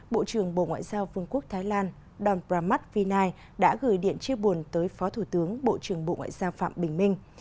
bộ trưởng bộ ngoại giao vương quốc thái lan don pramat vinai đã gửi điện chia buồn tới phó thủ tướng bộ trưởng bộ ngoại giao phạm bình minh